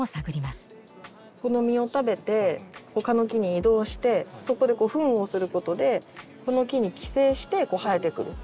この実を食べて他の木に移動してそこでフンをすることでこの木に寄生して生えてくる。